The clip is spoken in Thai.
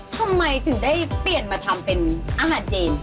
ทำไมถึงได้เปลี่ยนมาทำเป็นอาหารจีน